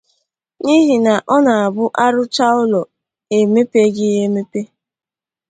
n'ihi na ọ na-abụ a rụchaa ụlọ e mepeghị ya emepe